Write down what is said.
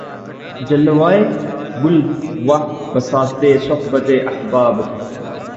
جلوہٴ گل واں بساطِ صحبتِ احباب تھا